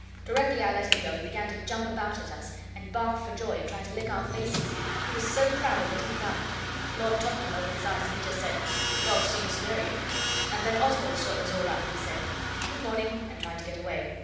Directly I let him go he began to jump about at us and bark for joy, and try to lick our faces. He was so proud of what he'd done. Lord Tottenham opened his eyes and he just said, 'The dog seems to know you.' And then Oswald saw it was all up, and he said, 'Good morning,' and tried to get away.